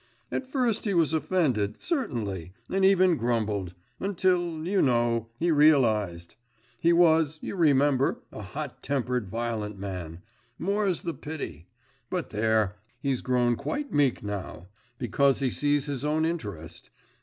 'At first he was offended, certainly, and even grumbled, until, you know, he realised; he was, you remember, a hot tempered violent man more's the pity! but there, he's grown quite meek now. Because he sees his own interest.